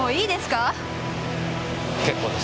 結構です。